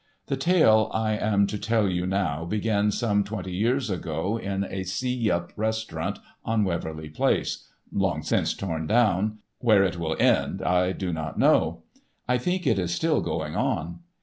The tale I am to tell you now began some twenty years ago in a See Yup restaurant on Waverly Place—long since torn down—where it will end I do not know. I think it is still going on.